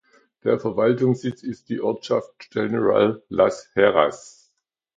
Der Verwaltungssitz ist die Ortschaft General Las Heras.